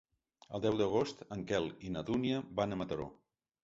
El deu d'agost en Quel i na Dúnia van a Mataró.